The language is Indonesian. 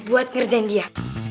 buat ngerjain dia